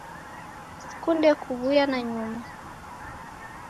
Sikunde kuwuya nanyuma